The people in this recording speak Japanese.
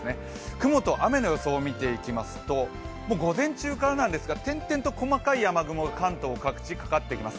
雲と雨の予想を見ていきますと、午前中からなんですが、点々と細かい雨雲が関東各地かかってきます。